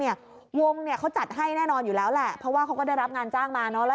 วงเนี่ยเขาจัดให้แน่นอนอยู่แล้วแหละเพราะว่าเขาก็ได้รับงานจ้างมาเนอะแล้ว